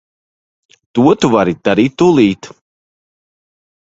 To tu vari darīt tūlīt.